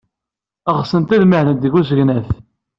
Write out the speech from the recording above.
Ɣsent ad mahlent deg usegnaf.